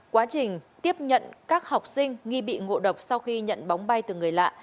quá trình tiếp nhận các học sinh nghi bị ngộ độc sau khi nhận bóng bay từ người lạ